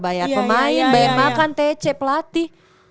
bayar pemain bayar makan tece pelatih